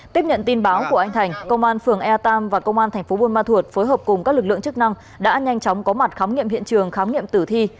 tiếp nhận tin báo của anh thành công an phường e tam và công an thành phố buôn ma thuột phối hợp cùng các lực lượng chức năng đã nhanh chóng có mặt khám nghiệm hiện trường khám nghiệm tử thi